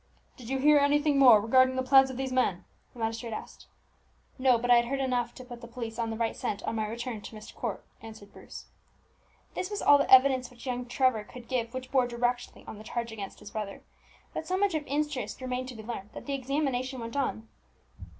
'" "Did you hear anything more regarding the plans of these men?" the magistrate asked. "No; but I had heard enough to put the police on the right scent on my return to Myst Court," answered Bruce. This was all the evidence which young Trevor could give which bore directly on the charge against his brother; but so much of interest remained to be learned, that the examination went on.